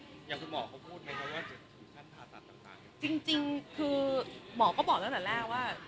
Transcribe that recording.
อย่างคือหมอเขาว่าคันฐานศาสตร์ต่างต่างจริงจริงคือหมอก็บอกแล้วตรงแรกว่า